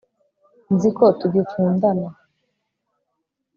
Nzi ko tugikundana